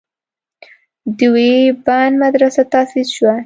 دیوبند مدرسه تاسیس شوه.